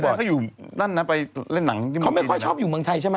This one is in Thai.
เขาไม่ค่อยชอบอยู่เมืองไทยใช่ไหม